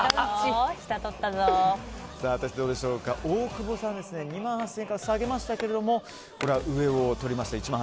大久保さんは２万８０００円から下げましたが上を取りました